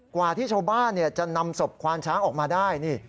กว่าที่ชาวบ้านจะนำศพควานช้างออกมาได้นี่